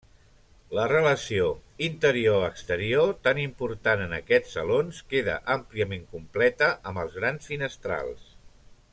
La relació interior-exterior, tan important en aquests salons, queda àmpliament completa amb els grans finestrals.